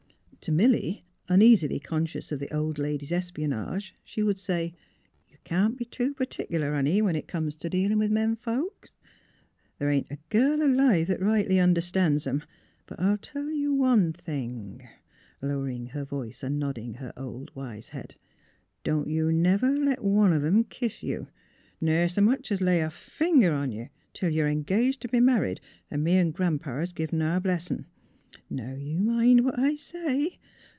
" To Milly, uneasily conscious of the old lady's espionage, she would say: " You can't be too pertic'lar, honey, when it comes t' dealin' with men folks. The' ain't a girl alive that rightly understan's 'em. But I'll tell you one thing ''— lowering her voice and nod ding her wise old head —" don't you never let one of 'em kiss you; ner s' much as lay a finger on 88 THE HEART OF PHILURA you, till you're engaged t' be married, an' me an' Gran 'pa 's gi'n our blessin'. Now you mind what I say.